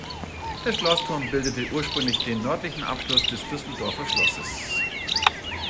Der Schlossturm bildete ursprünglich den nördlichen Abschluss des Düsseldorfer Schlosses.